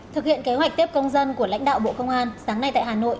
thực hiện kế hoạch tiếp công dân của lãnh đạo bộ công an sáng nay tại hà nội